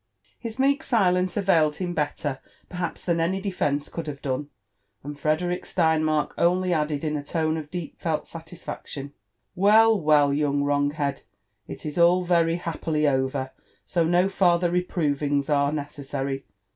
His meek silence availed him better perhaps than any defence could have done, and Frederick Steinmark only added in a (one of deepfelt satisfaction, Well, well, young wronghcad, it is all very happily over ; so no farther reprovings are necessary.